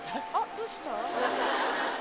どうしたの？